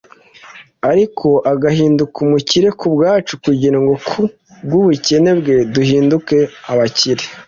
ariko agahinduka umukire ku bwacu kugira ngo ku bw’ubukene bwe duhinduke abakire.